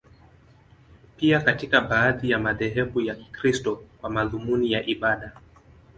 Pia katika baadhi ya madhehebu ya Kikristo, kwa madhumuni ya ibada.